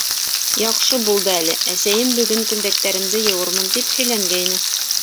— Яҡшы булды әле, әсәйем бөгөн күлдәктәремде йыуырмын тип һөйләнгәйне.